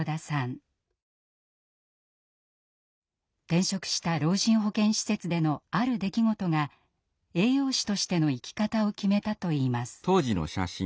転職した老人保健施設でのある出来事が栄養士としての生き方を決めたといいます。